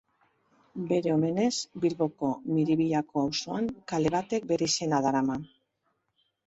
Bere omenez, Bilboko Miribillako auzoan, kale batek bere izena darama.